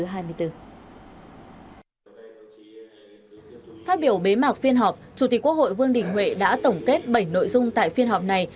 phát biểu bế mạc phiên họp chủ tịch quốc hội vương đình huệ đã tổng kết bảy nội dung tại phiên họp này